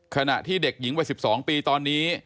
ขณะที่เด็กหญิงวัย๑๒ปีตอนนี้